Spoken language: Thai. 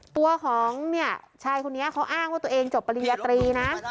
ตัวของเนี่ยชายคนนี้เขาอ้างว่าตัวเองจบปริญญาตรีนะ